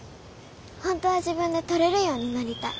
本当は自分で取れるようになりたい。